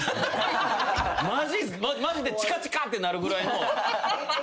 マジでチカチカってなるぐらいのやつ。